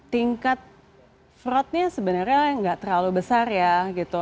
tingkat fraudnya sebenarnya nggak terlalu besar ya gitu